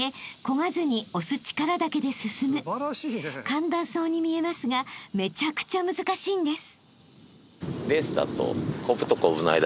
［簡単そうに見えますがめちゃくちゃ難しいんです］